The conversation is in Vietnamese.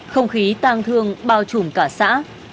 không khí tăng thương bao trùm cả xã